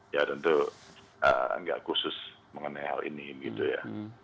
ya tentu nggak khusus mengenai hal ini gitu ya